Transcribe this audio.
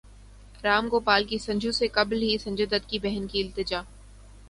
رام گوپال کی سنجو سے قبل ہی سنجے دت کی بہن کی التجا